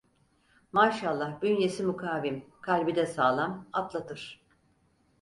Maşallah bünyesi mukavim, kalbi de sağlam, atlatır.